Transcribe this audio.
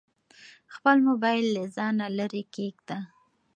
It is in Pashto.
خپل موبایل له ځانه لیرې کېږده.